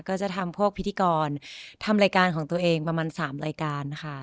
ก็จะทำพวกพิธีกรทำรายการของตัวเองประมาณ๓รายการค่ะ